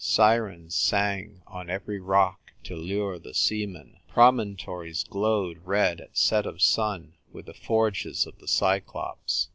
Sirens sang on every rock to lure the seaman ; promon tories glowed red at set of sun with the forges of the Cyclops.